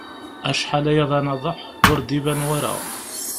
Acḥal aya d anaḍeḥ, ur d-iban wara.